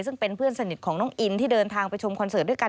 ซึ่งเป็นเพื่อนสนิทของน้องอินที่เดินทางไปชมคอนเสิร์ตด้วยกัน